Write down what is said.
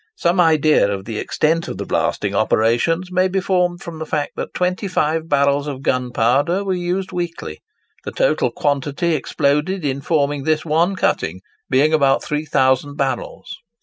Some idea of the extent of the blasting operations may be formed from the fact that 25 barrels of gunpowder were used weekly; the total quantity exploded in forming this one cutting being about 3,000 barrels.